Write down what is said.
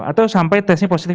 atau sampai testnya positif